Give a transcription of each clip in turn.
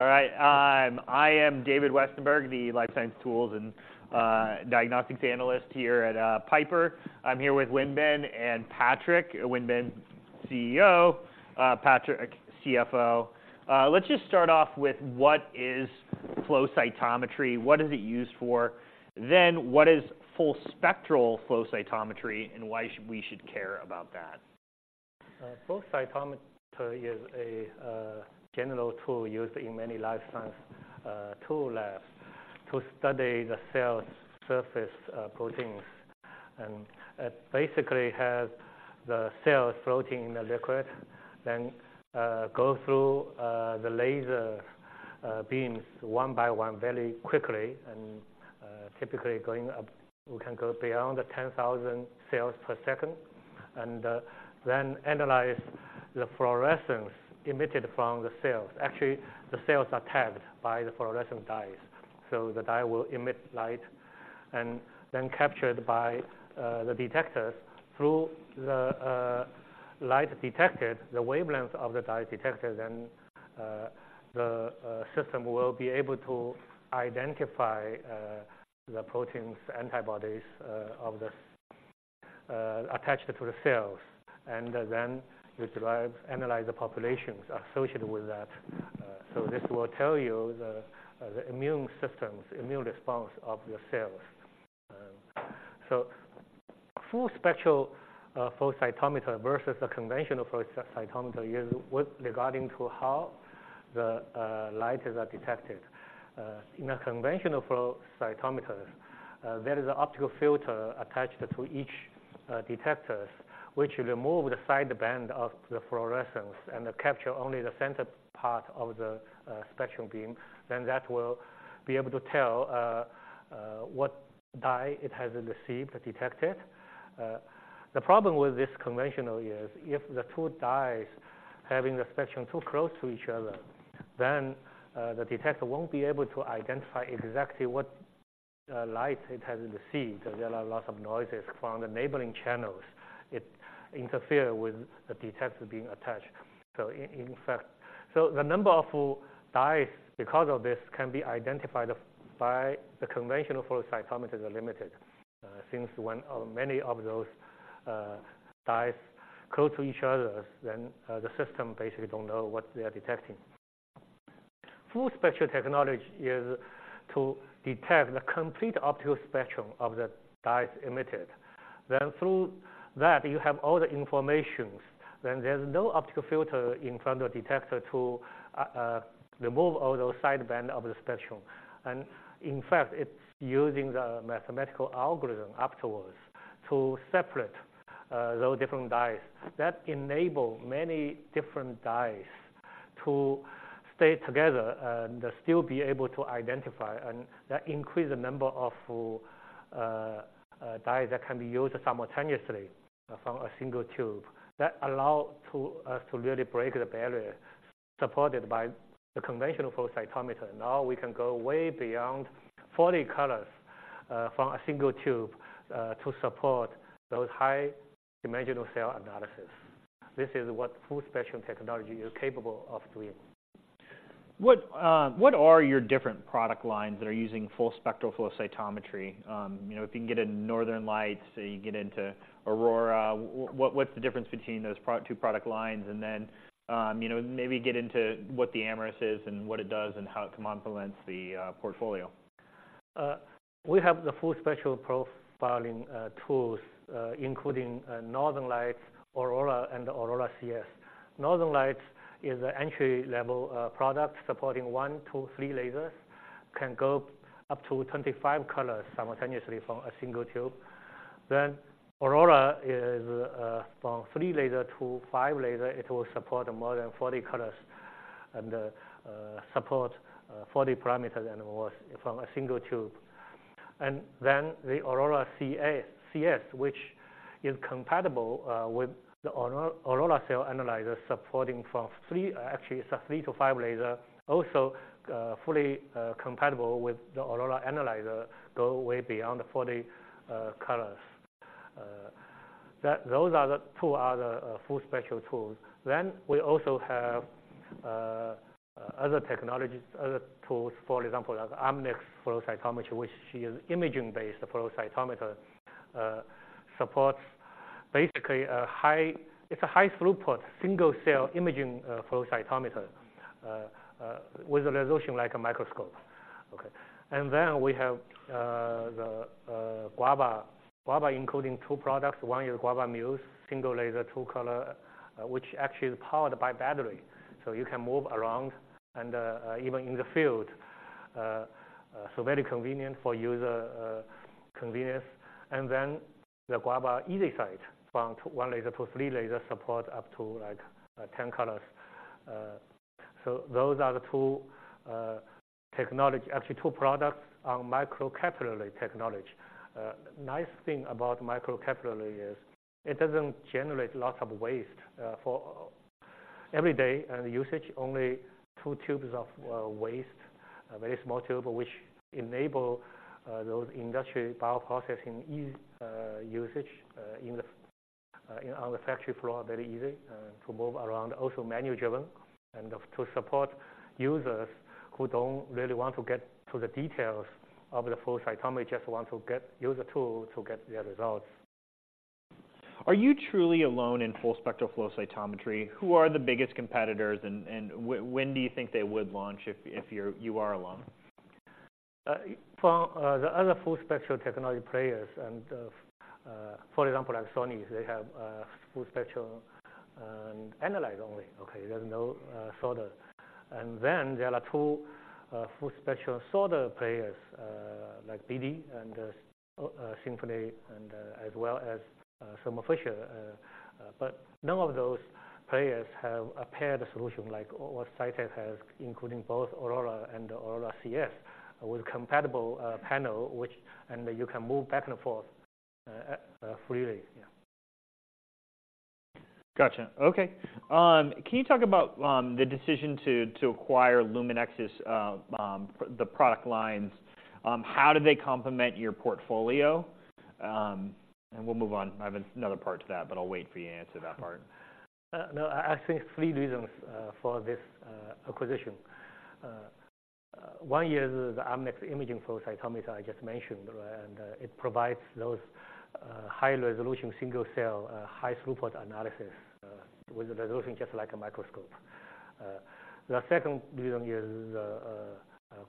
All right, I am David Westenberg, the life science tools and diagnostics analyst here at Piper. I'm here with Wenbin and Patrik. Wenbin, CEO, Patrik, CFO. Let's just start off with what is flow cytometry? What is it used for? Then, what is full spectral flow cytometry, and why we should care about that? Flow cytometry is a general tool used in many life science tool labs to study the cell surface proteins. It basically has the cells floating in the liquid, then go through the laser beams one by one very quickly, and typically going up, we can go beyond 10,000 cells per second. Then analyze the fluorescence emitted from the cells. Actually, the cells are tagged by the fluorescent dyes, so the dye will emit light and then captured by the detectors. Through the light detected, the wavelength of the dye detected, then the system will be able to identify the proteins, antibodies of the attached to the cells, and then derive, analyze the populations associated with that. So this will tell you the, the immune systems, immune response of the cells. So full spectral flow cytometer versus the conventional flow cytometer is with regard to how the lights are detected. In a conventional flow cytometer, there is an optical filter attached to each detectors, which remove the sideband of the fluorescence and capture only the center part of the spectrum beam. Then that will be able to tell what dye it has received or detected. The problem with this conventional is, if the two dyes having the spectrum too close to each other, then the detector won't be able to identify exactly what light it has received. So there are lots of noises from the neighboring channels. It interfere with the detector being attached. In fact, the number of dyes, because of this, can be identified by the conventional flow cytometers are limited. Since when many of those dyes close to each other, then the system basically don't know what they are detecting. Full spectral technology is to detect the complete optical spectrum of the dyes emitted. Then through that, you have all the information. Then there's no optical filter in front of detector to remove all those sideband of the spectrum. And in fact, it's using the mathematical algorithm afterwards to separate those different dyes. That enable many different dyes to stay together and still be able to identify, and that increase the number of dyes that can be used simultaneously from a single tube. That allow to us to really break the barrier supported by the conventional flow cytometer. Now, we can go way beyond 40 colors, from a single tube, to support those high dimensional cell analysis. This is what full spectrum technology is capable of doing. What, what are your different product lines that are using full spectral flow cytometry? You know, if you can get into Northern Lights, you get into Aurora, what's the difference between those two product lines? And then, you know, maybe get into what the Amnis is and what it does, and how it complements the portfolio. We have the full spectrum profiling tools, including Northern Lights, Aurora, and Aurora CS. Northern Lights is an entry-level product supporting 1, 2, 3 lasers, can go up to 25 colors simultaneously from a single tube. Then Aurora is from 3-laser to 5-laser. It will support more than 40 colors, and support 40 parameters and more from a single tube. And then the Aurora CS, which is compatible with the Aurora cell analyzer. Actually, it's a 3 to 5 laser, also fully compatible with the Aurora analyzer, go way beyond the 40 colors. Those are the two other full spectrum tools. Then we also have other technologies, other tools, for example, the Amnis flow cytometry, which is imaging-based flow cytometer. It supports basically a high, it's a high-throughput, single-cell imaging flow cytometer with a resolution like a microscope. Okay. And then we have the Guava. Guava including two products. One is Guava Muse, single laser, two-color, which actually is powered by battery. So you can move around and even in the field, so very convenient for user convenience. And then the Guava easyCyte, from one laser to three-laser, support up to, like, 10 colors. So those are the two technology, actually, two products on microcapillary technology. Nice thing about microcapillary is, it doesn't generate lots of waste for every day usage, only two tubes of waste. A very small tube, which enable those industrial bioprocessing ease usage in the-... On the factory floor, very easy to move around, also manual driven, and to support users who don't really want to get to the details of the flow cytometry, just want to use a tool to get their results. Are you truly alone in full spectral flow cytometry? Who are the biggest competitors, and when do you think they would launch if you are alone? For the other full spectral technology players and for example, like Sony, they have full spectral analyzer only, okay? There's no sorter. And then there are two full spectral sorter players, like BD and Symphony, and as well as Thermo Fisher. But none of those players have a paired solution like what Cytek has, including both Aurora and Aurora CS, with compatible panel, which and you can move back and forth freely, yeah. Gotcha. Okay. Can you talk about the decision to acquire Luminex's the product lines? How do they complement your portfolio? And we'll move on. I have another part to that, but I'll wait for you to answer that part. No, I think three reasons for this acquisition. One is the Amnis imaging flow cytometry I just mentioned, and it provides those high-resolution, single-cell high-throughput analysis with a resolution just like a microscope. The second reason is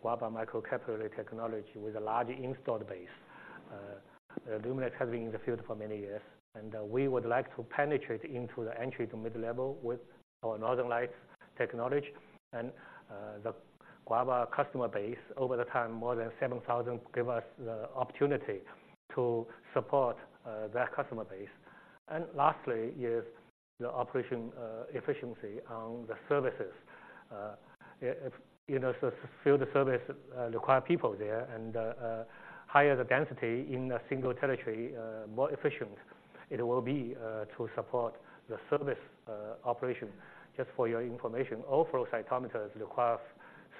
Guava microcapillary technology with a large installed base. Luminex has been in the field for many years, and we would like to penetrate into the entry to mid-level with our Northern Lights technology. And the Guava customer base, over the time, more than 7,000, give us the opportunity to support their customer base. And lastly, is the operation efficiency on the services. If, you know, so field service require people there, and higher the density in a single territory, more efficient it will be to support the service operation. Just for your information, all flow cytometers require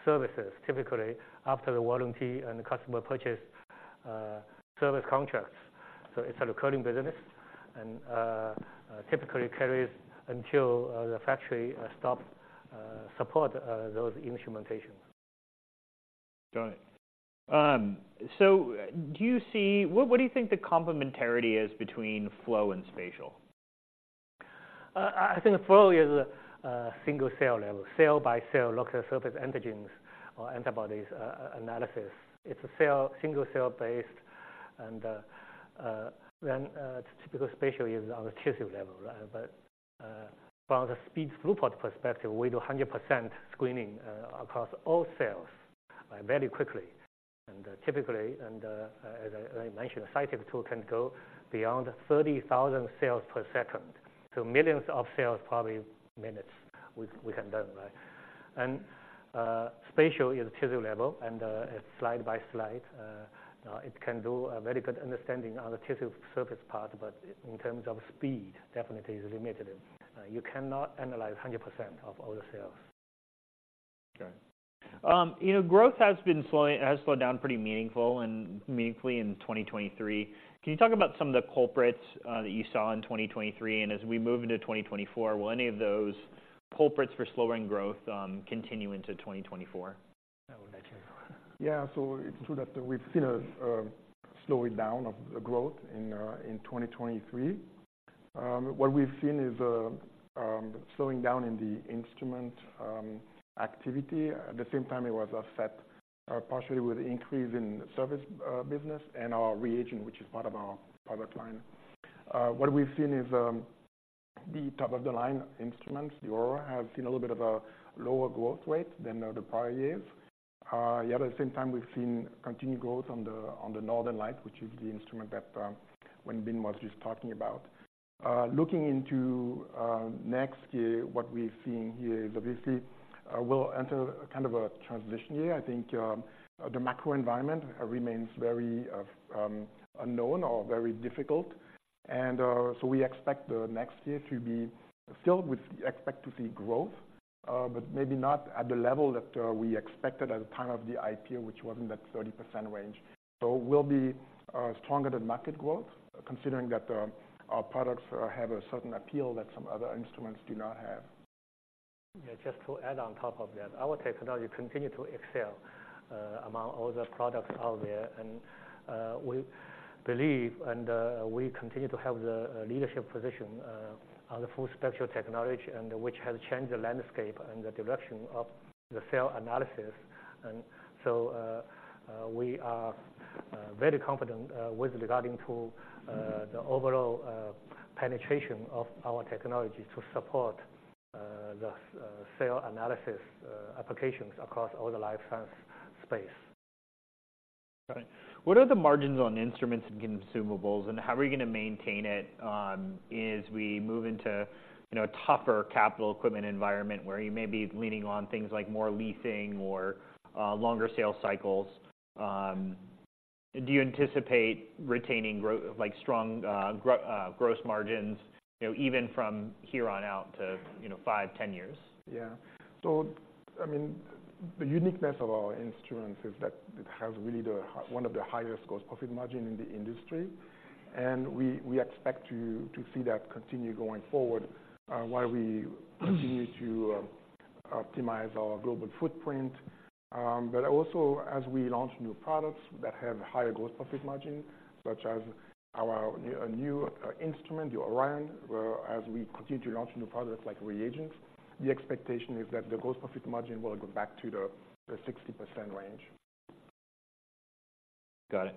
services, typically after the warranty and the customer purchase, service contracts. So it's a recurring business and typically carries until the factory stops support those instrumentations. Got it. What, what do you think the complementarity is between flow and spatial? I think flow is a single-cell level, cell-by-cell look at surface antigens or antibodies analysis. It's a single-cell based, and when typical spatial is on the tissue level, right? But from the speed throughput perspective, we do 100% screening across all cells very quickly. And typically, as I mentioned, a Cytek tool can go beyond 30,000 cells per second, to millions of cells, probably minutes, we have done, right? And spatial is tissue level, and it's slide by slide. It can do a very good understanding on the tissue surface part, but in terms of speed, definitely is limited. You cannot analyze 100% of all the cells. Got it. You know, growth has been slowing, has slowed down pretty meaningfully in 2023. Can you talk about some of the culprits that you saw in 2023? And as we move into 2024, will any of those culprits for slowing growth continue into 2024? I will let you. Yeah. So it's true that we've seen a slowing down of the growth in 2023. What we've seen is a slowing down in the instrument activity. At the same time, it was offset partially with increase in service business and our reagent, which is part of our product line. What we've seen is the top-of-the-line instruments, the Aurora, have seen a little bit of a lower growth rate than the prior years. Yet at the same time, we've seen continued growth on the Northern Lights, which is the instrument that Wenbin was just talking about. Looking into next year, what we've seen here is obviously we'll enter kind of a transition year. I think the macro environment remains very unknown or very difficult. So we expect the next year to be filled with expect to see growth, but maybe not at the level that we expected at the time of the IPO, which was in that 30% range. So we'll be stronger than market growth, considering that our products have a certain appeal that some other instruments do not have. Yeah, just to add on top of that, our technology continue to excel among all the products out there. And we believe and we continue to have the leadership position on the full spectral technology, and which has changed the landscape and the direction of the cell analysis. And so we are very confident with regarding to the overall penetration of our technology to support the cell analysis applications across all the life science space. Got it. What are the margins on instruments and consumables, and how are you going to maintain it, as we move into, you know, a tougher capital equipment environment, where you may be leaning on things like more leasing or longer sales cycles? Do you anticipate retaining, like, strong gross margins, you know, even from here on out to, you know, five, ten years? Yeah. So, I mean, the uniqueness of our instruments is that it has really one of the highest gross profit margin in the industry, and we expect to see that continue going forward, while we continue to optimize our global footprint. But also as we launch new products that have higher gross profit margin, such as our new instrument, the Orion, whereas we continue to launch new products like reagents, the expectation is that the gross profit margin will go back to the 60% range. Got it.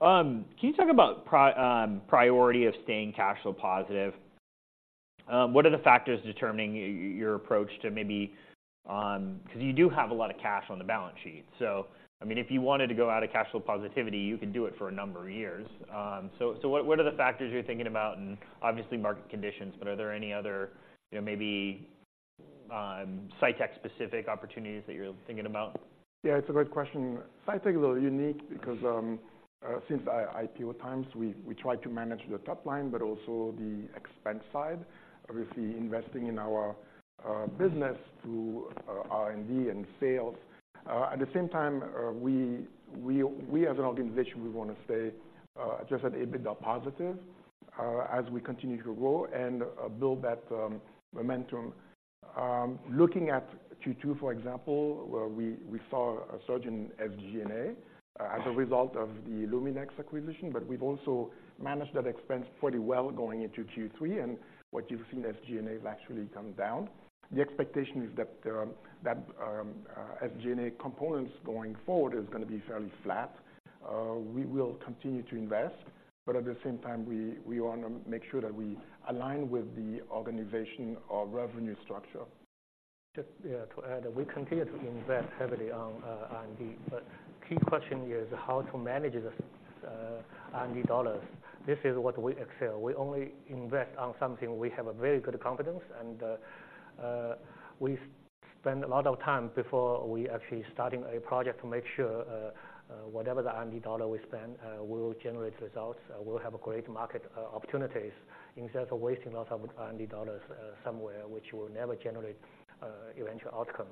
Can you talk about priority of staying cash flow positive? What are the factors determining your approach to maybe, because you do have a lot of cash on the balance sheet. So, I mean, if you wanted to go out of cash flow positivity, you could do it for a number of years. So what are the factors you're thinking about? And obviously, market conditions, but are there any other, you know, maybe, Cytek-specific opportunities that you're thinking about? Yeah, it's a great question. Cytek is a little unique because since IPO times, we try to manage the top line, but also the expense side, obviously, investing in our business through R&D and sales. At the same time, we as an organization wanna stay just at EBITDA positive as we continue to grow and build that momentum. Looking at Q2, for example, where we saw a surge in SG&A as a result of the Luminex acquisition, but we've also managed that expense pretty well going into Q3, and what you've seen, SG&A has actually come down. The expectation is that SG&A components going forward is gonna be fairly flat. We will continue to invest, but at the same time, we wanna make sure that we align with the organization of revenue structure. Just, yeah, to add, we continue to invest heavily on R&D, but key question is how to manage the R&D dollars. This is what we excel. We only invest on something we have a very good confidence, and we spend a lot of time before we actually starting a project to make sure whatever the R&D dollar we spend will generate results, will have a great market opportunities, instead of wasting a lot of R&D dollars somewhere, which will never generate eventual outcome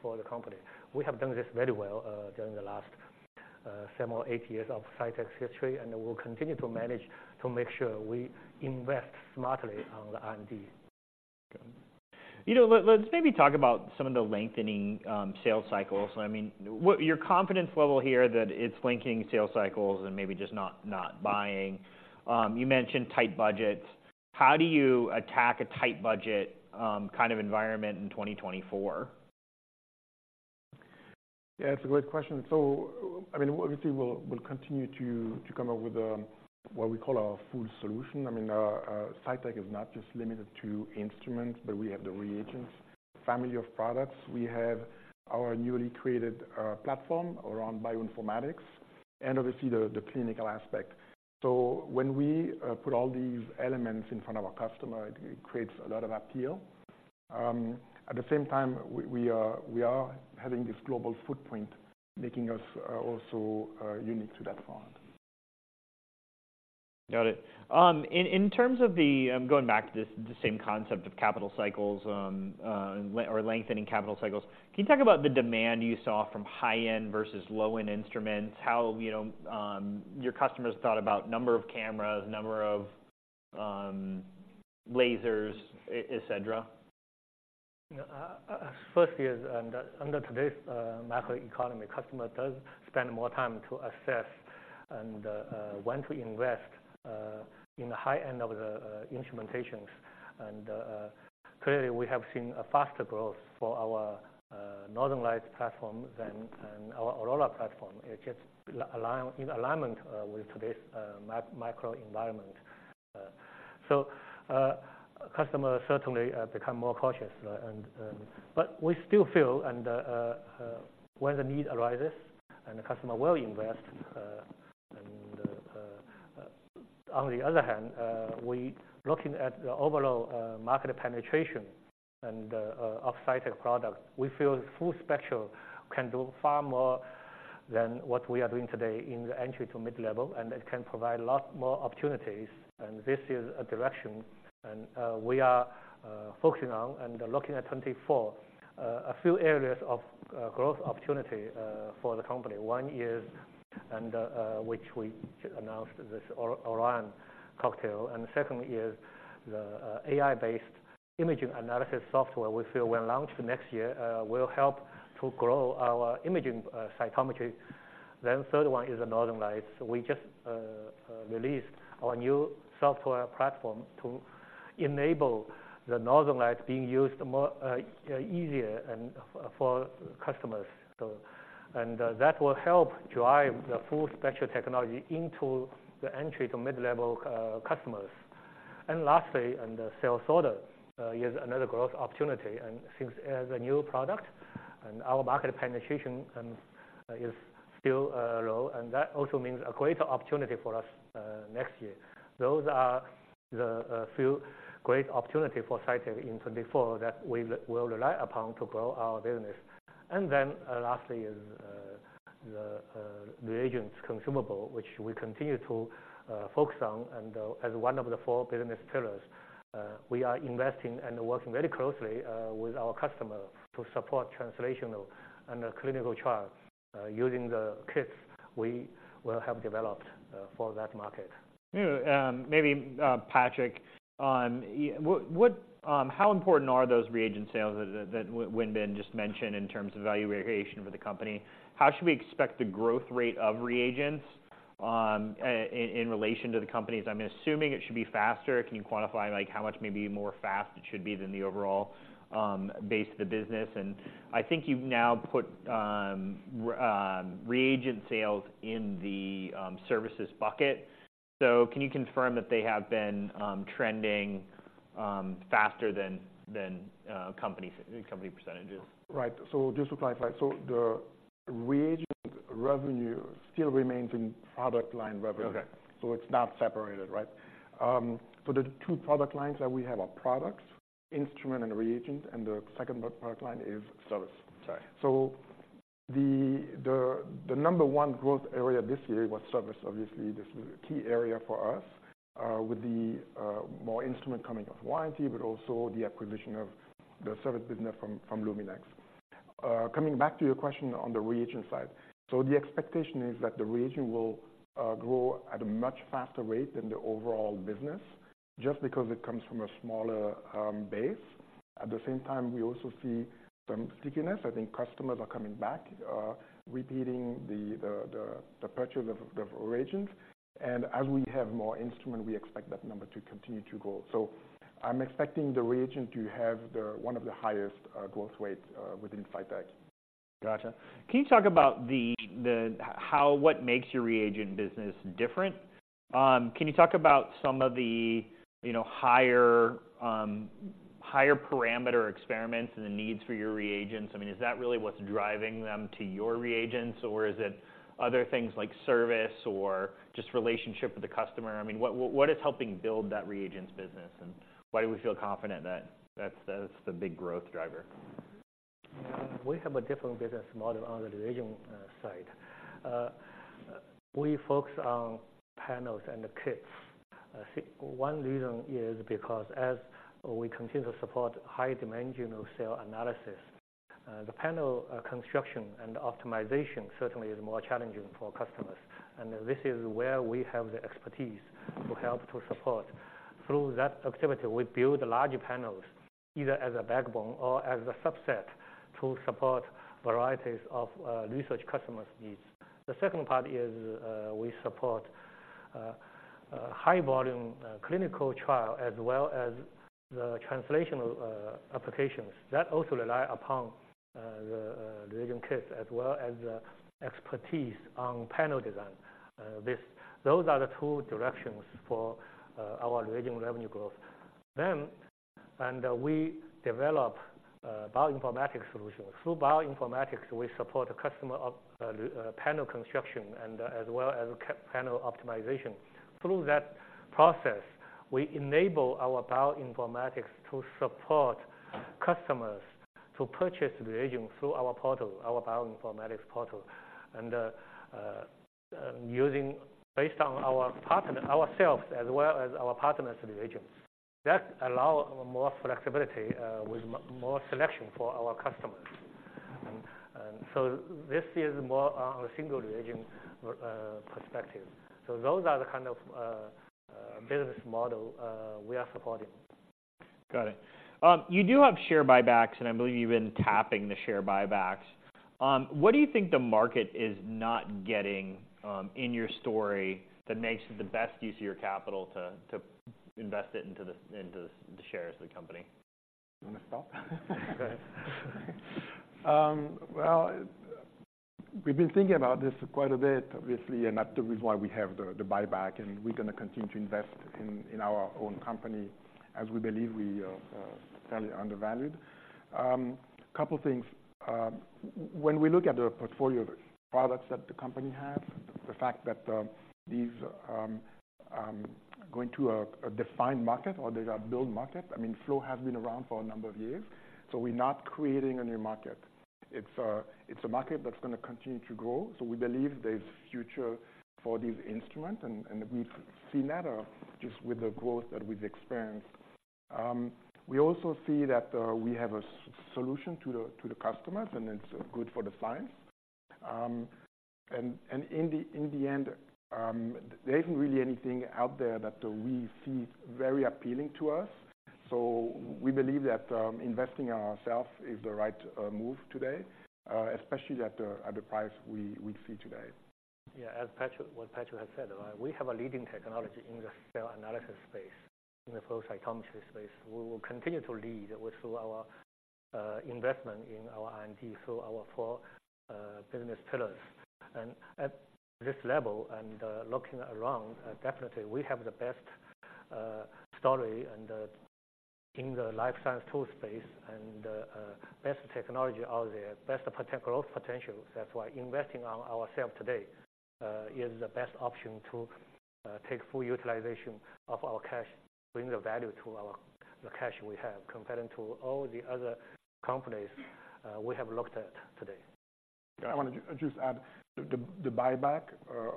for the company. We have done this very well during the last seven or eight years of Cytek's history, and we'll continue to manage to make sure we invest smartly on the R&D. You know, let's maybe talk about some of the lengthening sales cycles. I mean, what's your confidence level here, that it's lengthening sales cycles and maybe just not buying. You mentioned tight budgets. How do you attack a tight budget kind of environment in 2024? Yeah, it's a great question. So I mean, obviously, we'll continue to come up with what we call our full solution. I mean, Cytek is not just limited to instruments, but we have the reagents family of products. We have our newly created platform around bioinformatics and obviously the clinical aspect. So when we put all these elements in front of our customer, it creates a lot of appeal. At the same time, we are having this global footprint, making us also unique to that front. Got it. In terms of the going back to this, the same concept of capital cycles, lengthening capital cycles, can you talk about the demand you saw from high-end versus low-end instruments? How, you know, your customers thought about number of cameras, number of lasers, et cetera? Firstly, under today's macroeconomy, customer does spend more time to assess and when to invest in the high end of the instrumentations. And clearly, we have seen a faster growth for our Northern Lights platform than our Aurora platform. It's just in alignment with today's macro environment. So, customers certainly become more cautious and... But we still feel and when the need arises and the customer will invest, and on the other hand, we looking at the overall market penetration and of Cytek product, we feel full spectrum can do far more than what we are doing today in the entry to mid-level, and it can provide a lot more opportunities. This is the direction and we are focusing on and looking at 24. A few areas of growth opportunity for the company. One is, and which we announced this Orion cocktail, and the second is the AI-based imaging analysis software we feel when launched next year will help to grow our imaging cytometry. Then third one is the Northern Lights. We just released our new software platform to enable the Northern Lights being used more easier and for customers. So, and that will help drive the full spectral technology into the entry to mid-level customers. And lastly, in the cell sorter is another growth opportunity. And since as a new product and our market penetration is still low, and that also means a greater opportunity for us next year. Those are the few great opportunity for Cytek in 2024 that we will rely upon to grow our business. And then, lastly is the reagents consumables, which we continue to focus on and, as one of the four business pillars, we are investing and working very closely with our customer to support translational and clinical trials using the kits we will have developed for that market. Yeah, maybe, Patrik, on what how important are those reagent sales that Wenbin just mentioned in terms of value variation for the company? How should we expect the growth rate of reagents in relation to the companies? I'm assuming it should be faster. Can you quantify, like, how much maybe more fast it should be than the overall base of the business? And I think you've now put reagent sales in the services bucket. So can you confirm that they have been trending faster than company percentages? Right. So just to clarify, so the reagent revenue still remains in product line revenue. Okay. So it's not separated, right? So the two product lines that we have are products, instrument, and reagent, and the second product line is service. Sorry. So the number one growth area this year was service. Obviously, this is a key area for us, with the more instrument coming off warranty, but also the acquisition of the service business from Luminex. Coming back to your question on the reagent side. So the expectation is that the reagent will grow at a much faster rate than the overall business, just because it comes from a smaller base. At the same time, we also see some stickiness. I think customers are coming back, repeating the purchase of reagents. And as we have more instrument, we expect that number to continue to grow. So I'm expecting the reagent to have one of the highest growth rates within Cytek. Gotcha. Can you talk about the how, what makes your reagent business different? Can you talk about some of the, you know, higher, higher parameter experiments and the needs for your reagents? I mean, is that really what's driving them to your reagents, or is it other things like service or just relationship with the customer? I mean, what, what, what is helping build that reagents business, and why do we feel confident that that's the, that's the big growth driver? We have a different business model on the reagent side. We focus on panels and the kits. One reason is because as we continue to support high dimensional cell analysis, the panel construction and optimization certainly is more challenging for our customers. And this is where we have the expertise to help to support. Through that activity, we build larger panels, either as a backbone or as a subset, to support varieties of research customers' needs. The second part is, we support high volume clinical trial, as well as the translational applications. That also rely upon the reagent kits, as well as the expertise on panel design. Those are the two directions for our reagent revenue growth. We develop bioinformatics solutions. Through bioinformatics, we support the customer of panel construction and, as well as panel optimization. Through that process, we enable our bioinformatics to support customers to purchase reagent through our portal, our bioinformatics portal, and using based on our partners, ourselves, as well as our partners' reagents. That allow more flexibility with more selection for our customers. And so this is more on a single reagent perspective. So those are the kind of business model we are supporting. Got it. You do have share buybacks, and I believe you've been tapping the share buybacks. What do you think the market is not getting, in your story that makes the best use of your capital to invest it into the shares of the company? You want to start? Well, we've been thinking about this quite a bit, obviously, and that's the reason why we have the buyback, and we're going to continue to invest in our own company, as we believe we are fairly undervalued. Couple things. When we look at the portfolio of products that the company has, the fact that these going to a defined market or they are built market, I mean, flow has been around for a number of years, so we're not creating a new market. It's a market that's going to continue to grow, so we believe there's future for this instrument, and we see that just with the growth that we've experienced. We also see that we have a solution to the customers, and it's good for the science. And in the end, there isn't really anything out there that we see very appealing to us. So we believe that investing in ourself is the right move today, especially at the price we see today. Yeah, as Patrik, what Patrik has said, we have a leading technology in the cell analysis space, in the flow cytometry space. We will continue to lead with through our investment in our R&D, through our 4 business pillars. At this level and looking around, definitely, we have the best story and in the life science tool space and best technology out there, best growth potential. That's why investing on ourself today is the best option to take full utilization of our cash, bring the value to the cash we have, comparing to all the other companies we have looked at today. I want to just add, the buyback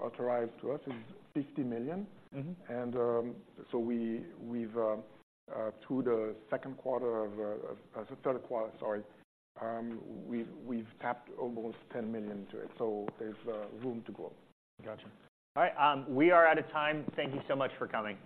authorized to us is $50 million. Mm-hmm. So we've through the second quarter of... Third quarter, sorry. We've tapped almost $10 million to it, so there's room to grow. Gotcha. All right, we are out of time. Thank you so much for coming.